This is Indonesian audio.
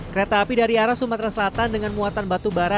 kereta api dari arah sumatera selatan dengan muatan batu bara